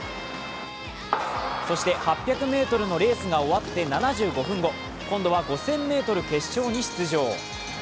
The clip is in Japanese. そして８００ｍのレースが終わって７５分後、今度は５０００ｍ決勝に出場。